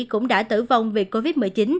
cũng đã tử vong vì covid một mươi chín